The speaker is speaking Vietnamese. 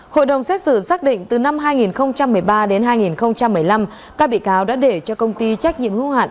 hội đồng xét xử xác định từ năm hai nghìn một mươi ba đến hai nghìn một mươi năm các bị cáo đã để cho công ty trách nhiệm hữu hạn